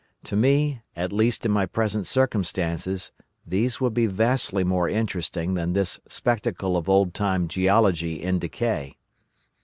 To me, at least in my present circumstances, these would be vastly more interesting than this spectacle of old time geology in decay.